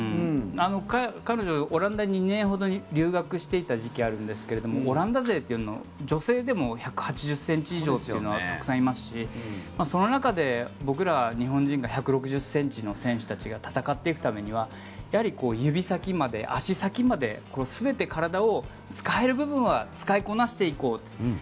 彼女、オランダに２年ほど留学していた時期もあるんですがオランダ勢は女性でも１８０ｃｍ以上というのはたくさんいますしその中で僕ら、日本人が１６０ｃｍの選手たちが戦っていくためには足先まで、指先まで体の使える部分は使いこなしていこう。